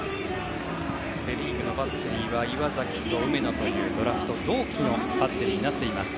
セ・リーグのバッテリーは岩崎と梅野というドラフト同期のバッテリー。